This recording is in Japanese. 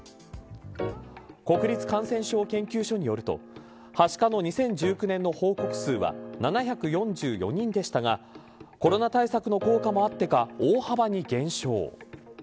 国立感染症研究所によるとはしかの２０１９年の報告数は７４４人でしたがコロナ対策の効果もあってか大幅に減少。